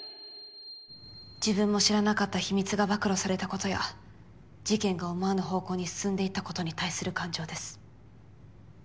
自分も知らなかった秘密が暴露されたことや事件が思わぬ方向に進んでいったことに対する感情です。